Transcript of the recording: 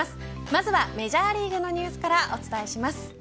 まずはメジャーリーグのニュースからお伝えします。